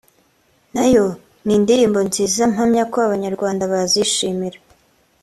nayo ni indirimbo nziza mpamya ko abanyarwanda bazishimira